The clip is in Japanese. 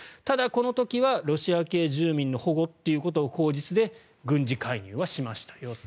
ただ、この時はロシア系住民の保護ということを口実に軍事介入はしましたよ。